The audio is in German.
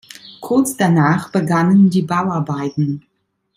Kurz danach begannen die Bauarbeiten.